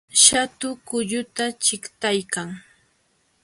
Shatu kulluta chiqtaykan